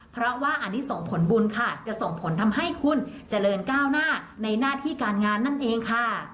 เพราะว่าอันนี้ส่งผลบุญค่ะจะส่งผลทำให้คุณเจริญก้าวหน้าในหน้าที่การงานนั่นเองค่ะ